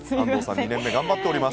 ２年目頑張っております。